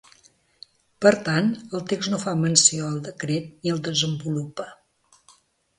Per tant, el text no fa menció al decret ni el desenvolupa.